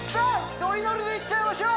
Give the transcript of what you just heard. ノリノリでいっちゃいましょう！